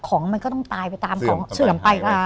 ของมันก็ต้องตายไปตามของเสื่อมไปนะคะ